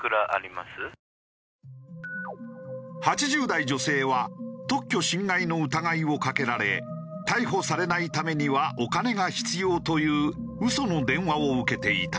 ８０代女性は特許侵害の疑いをかけられ逮捕されないためにはお金が必要というウソの電話を受けていた。